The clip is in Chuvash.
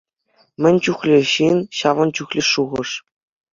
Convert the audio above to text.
Мӗн чухлӗ ҫын, ҫавӑн чухлӗ шухӑш.